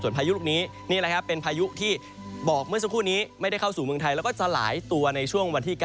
พายุลูกนี้นี่แหละครับเป็นพายุที่บอกเมื่อสักครู่นี้ไม่ได้เข้าสู่เมืองไทยแล้วก็สลายตัวในช่วงวันที่๙